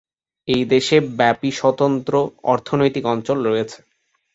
এই দেশে ব্যাপী স্বতন্ত্র অর্থনৈতিক অঞ্চল রয়েছে।